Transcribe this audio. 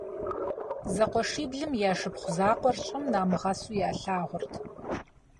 Зэкъуэшиблым я шыпхъу закъуэр щӀым намыгъэсу ялъагъурт.